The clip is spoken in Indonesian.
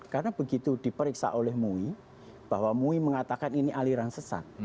karena begitu diperiksa oleh mui bahwa mui mengatakan ini aliran sesat